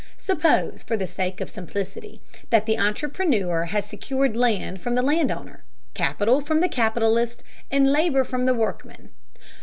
Suppose, for the sake of simplicity, that the entrepreneur has secured land from the land owner, capital from the capitalist, and labor from the workmen.